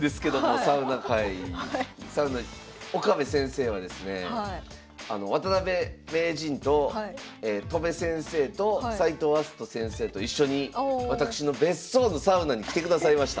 岡部先生はですね渡辺名人と戸辺先生と斎藤明日斗先生と一緒に私の別荘のサウナに来てくださいました。